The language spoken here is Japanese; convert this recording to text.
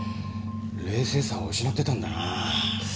冷静さを失ってたんだなあ。